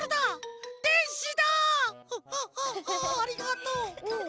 ああありがとう。